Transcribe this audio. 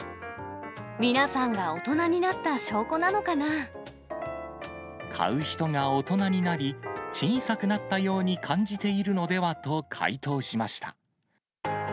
皆さんが大人になった証拠な買う人が大人になり、小さくなったように感じているのではと回答しました。